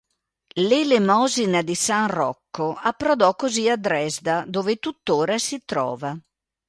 L’"Elemosina di san Rocco" approdò così a Dresda, dove tuttora si trova.